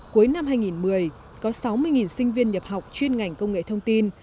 cuối năm hai nghìn một mươi có sáu mươi sinh viên nhập học chuyên ngành công nghệ thông tin